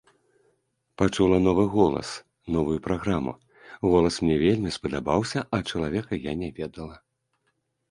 Пачула новы голас, новую праграму, голас мне вельмі спадабаўся, а чалавека я не ведала.